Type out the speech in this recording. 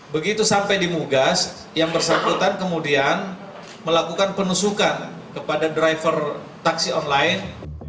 begitu sampai di mugas yang bersangkutan kemudian melakukan penusukan kepada driver taksi online